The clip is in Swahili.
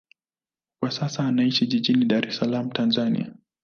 Kwa sasa anaishi jijini Dar es Salaam, Tanzania.